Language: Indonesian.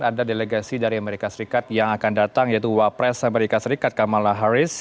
ada delegasi dari amerika serikat yang akan datang yaitu wapres amerika serikat kamala harris